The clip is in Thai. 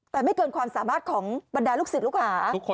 แต่ไม่เกินความสามารถของบรรดาลูกศิษย์ลูกหา